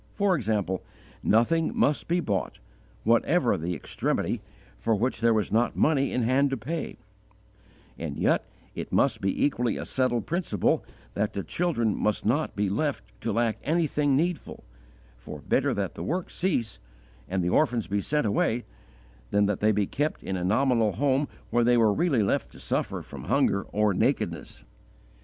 For example, nothing must be bought, whatever the extremity, for which there was not money in hand to pay: and yet it must be equally a settled principle that the children must not be left to lack anything needful; for better that the work cease, and the orphans be sent away, than that they be kept in a nominal home where they were really left to suffer from hunger or nakedness.